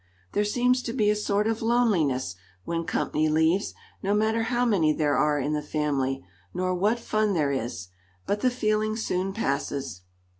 There seems to be a sort of loneliness, when company leaves, no matter how many there are in the family, nor what fun there is. But the feeling soon passes.